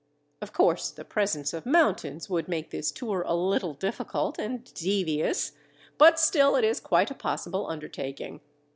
Of course the presence of mountains would make this tour a little difficult and devious, but still it is quite a possible undertaking.